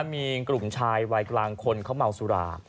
มีกลุ่มชายวัยกลางคนเขาเมาสุรา